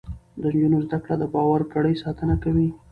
د نجونو زده کړه د باور کړۍ ساتنه کوي.